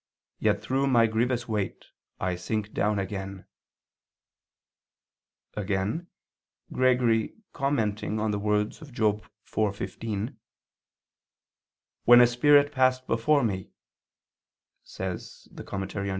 . yet through my grievous weight I sink down again." Again, Gregory commenting on the words of Job 4:15, "When a spirit passed before me," says (Moral.